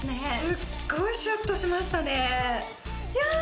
すっごいシュッとしましたねやあ